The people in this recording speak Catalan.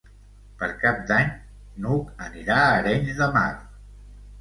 Per Cap d'Any n'Hug anirà a Arenys de Mar.